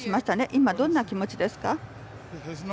今、どんな気持ちですか？